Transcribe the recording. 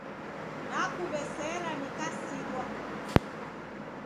Nakuw'esera nikasilwa.